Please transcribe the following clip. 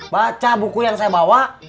baca buku yang saya bawa